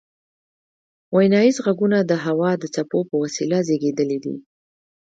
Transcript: ویناییز غږونه د هوا د څپو په وسیله زیږیدلي دي